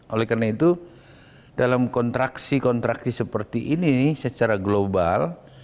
oleh karena itu dalam kontraksi kontraksi seperti ini secara global